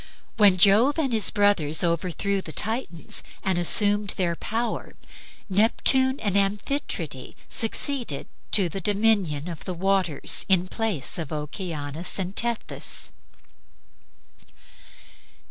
When Jove and his brothers overthrew the Titans and assumed their power, Neptune and Amphitrite succeeded to the dominion of the waters in place of Oceanus and Tethys.